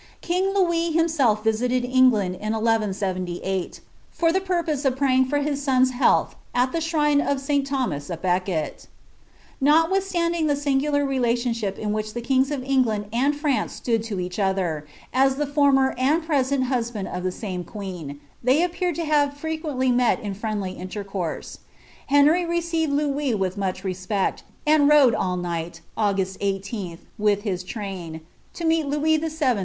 King Louii hiinaelf ria^ England in 1 179, for [he purpose of praying for hiit son's health ■■ tto ahrine of St Thomas a Becket PfoHvithaiaading the singular relationship in which the kings of Eof land and France stood to each other, as the former and presirol hmhanJ of the same queen, ihey appear to hnre frequently met in friendly tni0> course. Henry recei red Louis with much respect, and rode all nigh, Augiu^ 18, with his train, lo meet Louia VII.